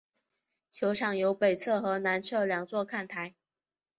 球场有北侧和南侧两座看台。